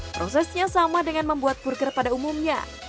prosesnya sama dengan membuat burger pada umumnya